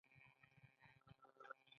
هغه اس ته ښه زین ور واچاوه.